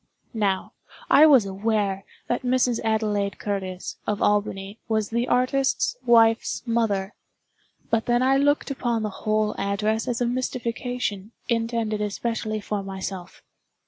Now, I was aware that Mrs. Adelaide Curtis, of Albany, was the artist's wife's mother,—but then I looked upon the whole address as a mystification, intended especially for myself.